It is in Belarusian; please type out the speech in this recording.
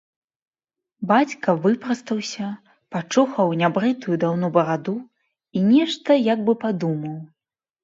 Бацька выпрастаўся, пачухаў нябрытую даўно бараду і нешта як бы падумаў.